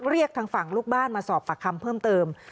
เรียกทางฝั่งลูกบ้านมาสอบปากคำเพิ่มเติม